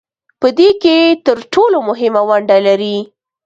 په دې کې تر ټولو مهمه ونډه لري